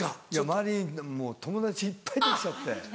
周りにもう友達いっぱいできちゃって。